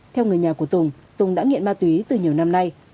theo người nhà của tùng tùng đã nghiện ma túy từ nhiều năm nay